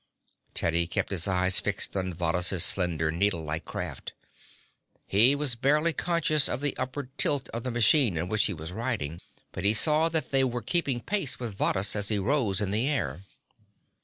Teddy kept his eyes fixed on Varrhus' slender, needlelike craft. He was barely conscious of the upward tilt of the machine in which he was riding, but he saw that they were keeping pace with Varrhus as he rose in the air.